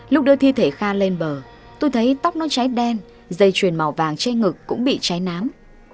lúc đưa thi thể kha lên bờ tôi thấy tóc nó cháy đen dây chuyền màu vàng che ngực cũng bị cháy nám